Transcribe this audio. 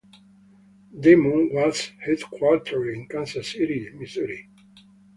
Damon was headquartered in Kansas City, Missouri.